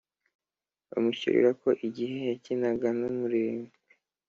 bamucyurira ko igihe yakinaga n’umurengwe